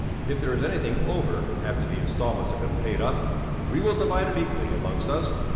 If there is anything over after the instalments have been paid up, we will divide it equally amongst us.